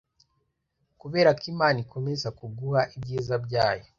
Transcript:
kuberako imana ikomeza kuguha ibyiza byayo